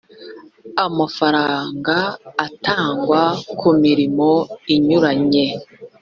mafaranga atangwa ku mirimo inyuranye